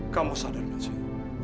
kamu sadar gak sih